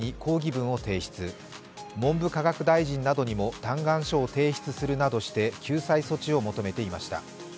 文部科学大臣などにも嘆願書を提出するなどして救済措置を求めていました。